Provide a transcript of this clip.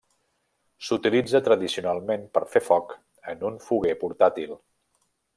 S'utilitza tradicionalment per fer foc en un foguer portàtil.